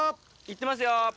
行ってますよ。